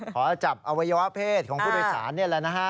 ขอจับอวัยวะเพศของผู้โดยสารนี่แหละนะฮะ